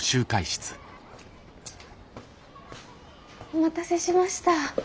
お待たせしました。